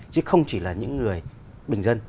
chứ không chỉ là những người bình dân